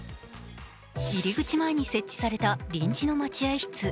入り口前に設置された臨時の待合室。